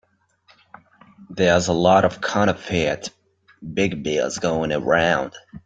There's a lot of counterfeit big bills going around.